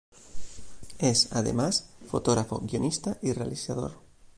Es, además, fotógrafo, guionista y realizador.